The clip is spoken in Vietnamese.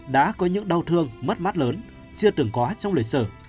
đã có những đau thương mất mát lớn chưa từng có trong lịch sử